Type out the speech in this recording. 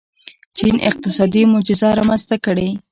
چین اقتصادي معجزه رامنځته کړې.